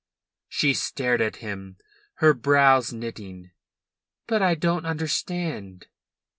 She stared at him, her brows knitting. "But I don't understand."